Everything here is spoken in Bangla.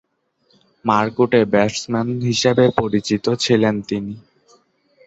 মারকুটে ব্যাটসম্যান হিসেবে পরিচিত ছিলেন তিনি।